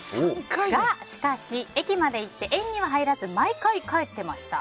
が、しかし駅まで行って園には入らず毎回帰ってました。